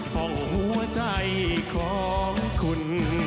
ห้องหัวใจของคุณ